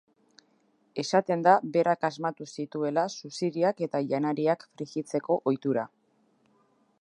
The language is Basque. Esaten da berak asmatu zituela suziriak eta janariak frijitzeko ohitura.